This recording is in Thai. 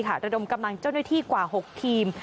ระดมกำลังเจ้าหน้าที่กว่า๖ทีม